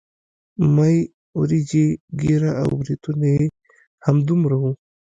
مۍ وريجې ږيره او برېتونه يې همدومره وو.